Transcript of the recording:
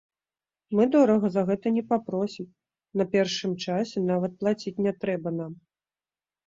Мы дорага за гэта не папросім, на першым часе нават плаціць не трэба нам.